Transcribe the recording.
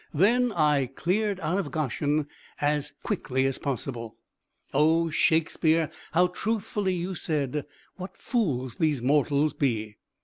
Then I cleared out of Goshen as quickly as possible. Oh, Shakespeare, how truthfully you said, "What fools these mortals be!"